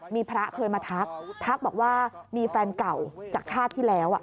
มีพระเคยมาทักทักบอกว่ามีแฟนเก่าจากชาติที่แล้ว